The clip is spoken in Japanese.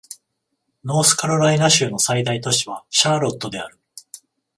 ノースカロライナ州の最大都市はシャーロットである